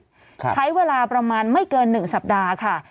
ใช้เวลาประมาณไม่เกินหนึ่งสัปดาห์ค่ะ